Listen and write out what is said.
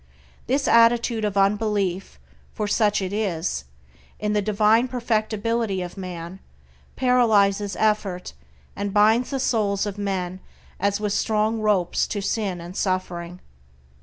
This attitude of unbelief (for such it is) in the divine perfectibility of man, paralyzes effort, and binds the souls of men as with strong ropes to sin and suffering.